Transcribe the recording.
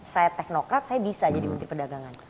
saya teknokrat saya bisa jadi menteri perdagangan